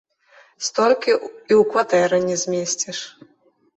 Столькі і ў кватэры не змесціш.